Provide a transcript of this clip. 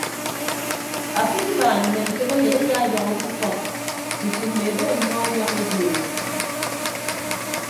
Afịd ibaan mme ntәkeyịn eya edọñọ ke ufọk tutu mme ebe ọmmọ enyọñ edi o.